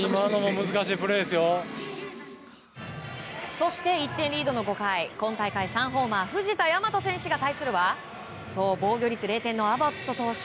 そして１点リードの５回今大会３ホーマー藤田倭選手が対するはそう、防御率０点のアボット投手。